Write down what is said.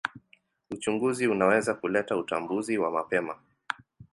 Uchunguzi unaweza kuleta utambuzi wa mapema.